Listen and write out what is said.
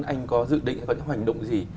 anh có dự định hay có những hoành động gì